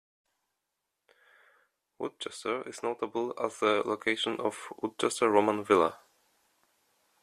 Woodchester is notable as the location of Woodchester Roman Villa.